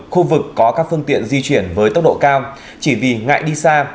khu vực có các phương tiện di chuyển với tốc độ cao chỉ vì ngại đi xa